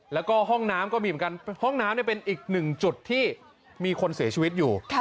แล้วก็ห้องน้ำก็มีเหมือนกันห้องน้ำเป็นอีกหนึ่งจุดที่มีคนเสียชีวิตอยู่